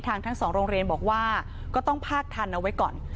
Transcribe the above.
ทั้งสองโรงเรียนบอกว่าก็ต้องภาคทันเอาไว้ก่อน